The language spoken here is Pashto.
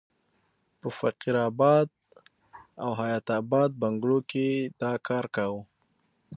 په فقیر اباد او حیات اباد بنګلو کې یې دا کار کاوه.